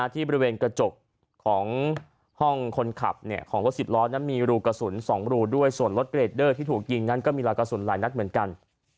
ที่บริเวณกระจกของห้องคนขับของรถสิบล้อนั้นมีรูกระสุน๒รูด้วยส่วนรถเกรดเดอร์ที่ถูกยิงนั้นก็มีราวกระสุนหลายนัดเหมือนกัน